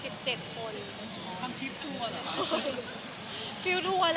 พังฟิวทัวร์หรอ